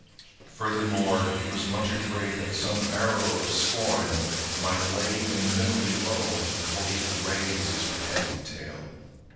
Furthermore, he was much afraid that some arrow of scorn might lay him mentally low before he could raise his protecting tale.